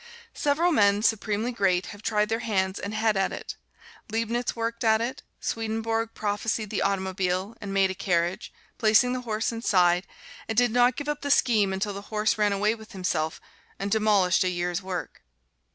Several men, supremely great, have tried their hands and head at it. Leibnitz worked at it; Swedenborg prophesied the automobile, and made a carriage, placing the horse inside, and did not give up the scheme until the horse ran away with himself and demolished a year's work.